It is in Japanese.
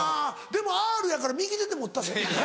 でも「Ｒ」やから右手で持ったで。